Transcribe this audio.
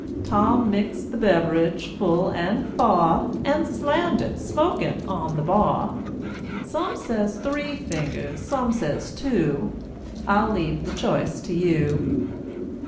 Tom mixed the beverage full and fa'r, And slammed it, smoking, on the bar. Some says three fingers, some says two, I'll leave the choice to you.